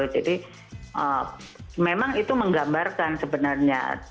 jadi memang itu menggambarkan sebenarnya